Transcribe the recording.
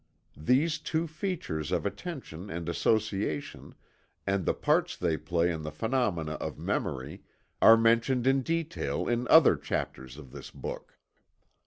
These two features of attention and association, and the parts they play in the phenomena of memory, are mentioned in detail in other chapters of this book.